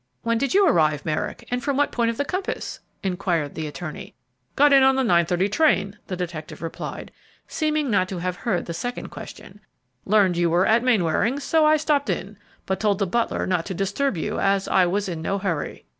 "When did you arrive, Merrick? and from what point of the compass?" inquired the attorney. "Got in on the 9.30 train," the detective replied, seeming not to have heard the second question; "learned you were at Mainwaring's, so I stopped in, but told the butler not to disturb you, as I was in no hurry."